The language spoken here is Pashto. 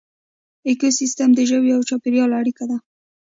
ایکوسیسټم د ژویو او چاپیریال اړیکه ده